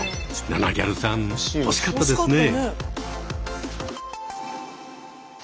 ナナぎゃるさん惜しかったですね。